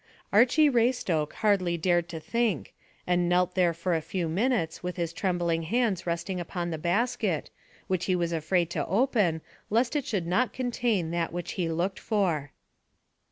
Archy Raystoke hardly dared to think, and knelt there for a few minutes, with his trembling hands resting upon the basket, which he was afraid to open lest it should not contain that which he looked for.